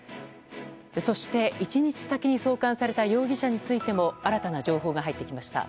そして１日先に送還された容疑者についても新たな情報が入ってきました。